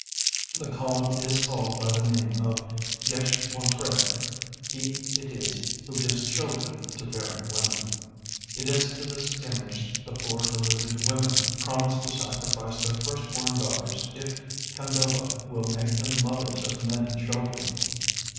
The column is called by the name of Yeshwantrao.... He it is who gives children to barren women.... It is to this image the poor deluded women promise to sacrifice their first born daughters if Khandoba will make them mothers of many children.